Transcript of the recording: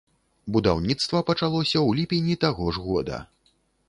Будаўніцтва пачалося ў ліпені таго ж года.